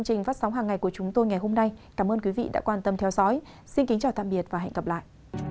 xin chào và hẹn gặp lại